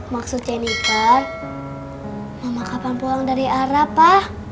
maksudnya nicar mama kapan pulang dari arab pa